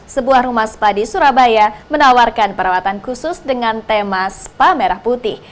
sebuah rumah spa di surabaya menawarkan perawatan khusus dengan tema spa merah putih